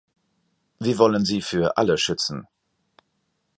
Wir wollen sie für alle schützen.